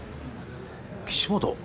岸本？